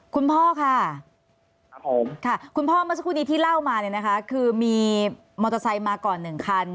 คุณพ่อเมื่อสักครู่นี้ที่เล่ามาเนี่ยนะคะคือมีมอเตอร์ไซค์มาก่อน๑คัน